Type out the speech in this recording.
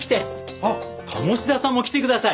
あっ鴨志田さんも来てください。